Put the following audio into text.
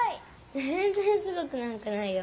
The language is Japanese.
ぜんぜんすごくなんかないよ。